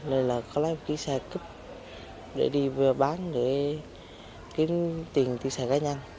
nên là có lấy một chiếc xe cấp để đi vừa bán để kiếm tiền tiền xe gai nhăn